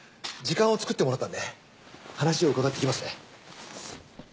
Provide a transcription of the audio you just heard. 時間を作ってもらったんで話を伺ってきますね。